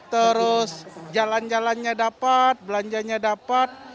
terus jalan jalannya dapat belanjanya dapat